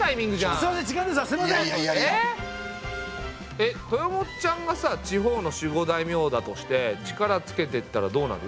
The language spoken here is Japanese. えっ豊本ちゃんがさ地方の守護大名だとして力つけてったらどうなる？